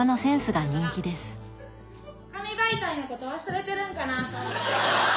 紙媒体のこと忘れてるんかなと。